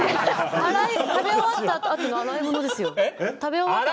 食べ終わったあとの洗い物ですよ。